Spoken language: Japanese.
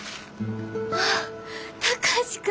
ああ貴司君。